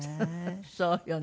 そうよね。